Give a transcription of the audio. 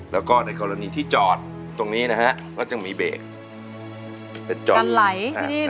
แล้วก็ในกรณีที่จอดตรงนี้นะฮะก็จะมีเบรกเป็นจอดไหล